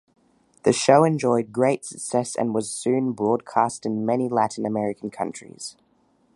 The show enjoyed great success and was soon broadcast in many Latin American countries.